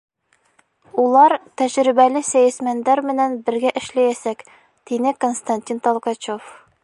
Улар тәжрибәле сәйәсмәндәр менән бергә эшләйәсәк, — тине Константин Толкачев.